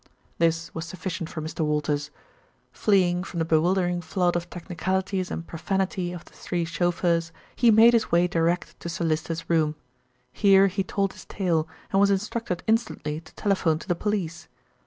This was sufficient for Mr. Walters. Fleeing from the bewildering flood of technicalities and profanity of the three chauffeurs, he made his way direct to Sir Lyster's room. Here he told his tale, and was instructed instantly to telephone to the police.